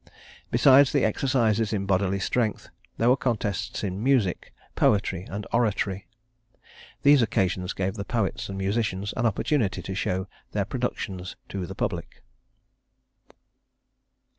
Besides the exercises in bodily strength, there were contests in music, poetry, and oratory. These occasions gave the poets and musicians an opportunity to show their productions to the public.